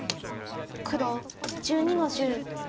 黒１２の十ノビ。